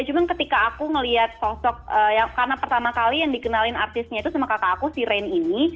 cuman ketika aku ngeliat sosok karena pertama kali yang dikenalin artisnya itu sama kakak aku si rain ini